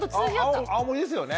青森ですよね？